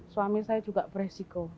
suami saya juga berisiko